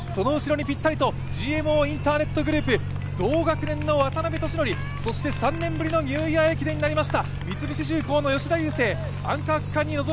ちらっと横を見た服部勇馬、その後ろにぴったりとＧＭＯインターネットグループ、同学年の渡邉利典、そして３年ぶりのニューイヤー駅伝になりました